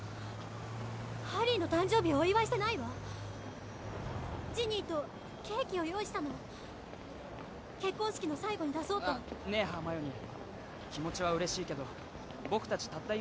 ハリーの誕生日をお祝いしてないわジニーとケーキを用意したの結婚式の最後に出そうとねえハーマイオニー気持ちは嬉しいけど僕達たった